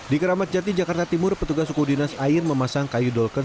di keramat jati jakarta timur petugas suku dinas air memasang kayu dolken